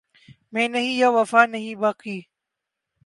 میں نہیں یا وفا نہیں باقی